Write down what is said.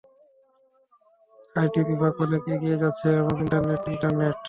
IT বিভাগ অনেক এগিয়ে যাচ্ছে, এবং ইন্টারনেট-- ইন্টারনেট?